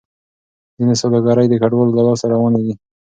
ځینې سوداګرۍ د کډوالو له لاسه روانې دي.